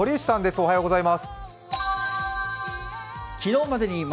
おはようございます。